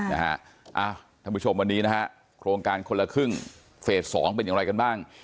ท่านผู้ชมวันนี้นะฮะโครงการคนละครึ่งเฟส๒เป็นอย่างไรกันบ้าง